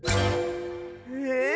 えっ？